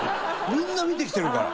みんな見てきてるから。